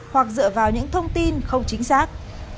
hoặc dựa vào những thông tin không chính xác